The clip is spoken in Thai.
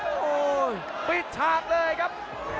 โอ้โหปิดฉากเลยครับ